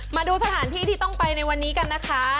มาดูสถานที่ที่ต้องไปในวันนี้กันนะคะ